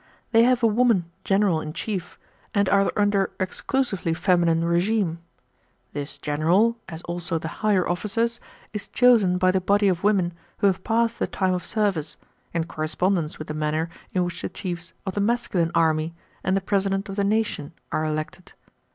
They have a woman general in chief and are under exclusively feminine regime. This general, as also the higher officers, is chosen by the body of women who have passed the time of service, in correspondence with the manner in which the chiefs of the masculine army and the President of the nation are elected.